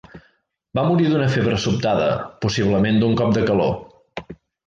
Va morir d'una febre sobtada, possiblement d'un cop de calor.